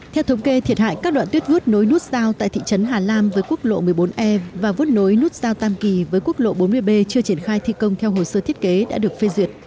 theo thống kê thiệt hại các đoạn tuyết vút nối nút dao tại thị trấn hà lam với quốc lộ một mươi bốn e và vút nối nút dao tam kỳ với quốc lộ bốn mươi b chưa triển khai thi công theo hồi xưa thiết kế đã được phê duyệt